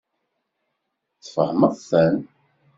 Tfehmeḍ-ten?